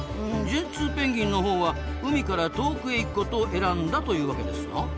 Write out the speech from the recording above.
ジェンツーペンギンのほうは海から遠くへ行くことを選んだというわけですな。